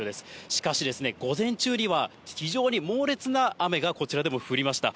しかしですね、午前中には非常に猛烈な雨がこちらでも降りました。